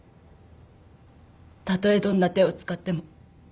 たとえどんな手を使っても。